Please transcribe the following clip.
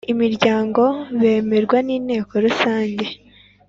imiryango bemerwa n Inteko rusange